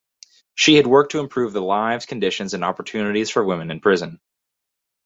She had worked to improve the lives, conditions, and opportunities for women in prison.